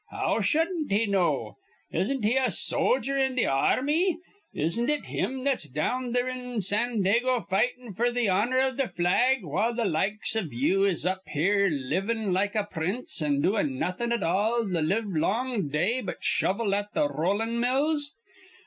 "How shudden't he know? Isn't he a sojer in th' ar rmy? Isn't it him that's down there in Sandago fightin' f'r th' honor iv th' flag, while th' likes iv you is up here livin' like a prince, an' doin' nawthin' all th' livelong day but shovel at th' rollin' mills?